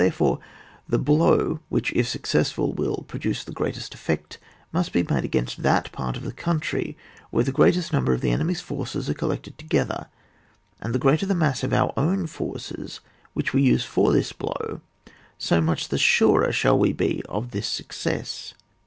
Therefore the blow which, if successful, will produce the greatest effect, must be made against that part of the country where the great est number of the enemy's forces are collected together ; and the greater the mass of our own forces which we use for this blow, so much the surer shall we be of this success.